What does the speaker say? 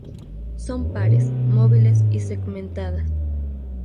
Son pares, móviles y segmentadas.